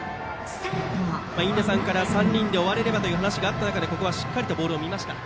印出さんから３人で終われればという話があった中でここはしっかりボールを見ました。